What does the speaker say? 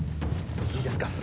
いいですか？